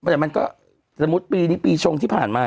สมมุติปีนี้ปีชงที่ผ่านมา